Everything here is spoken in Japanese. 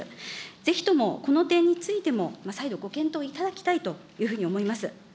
ぜひともこの点についても、再度、ご検討いただきたいというふうに思います。